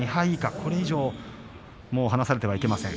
これ以上離されてはいけません。